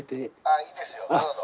・あいいですよどうぞ。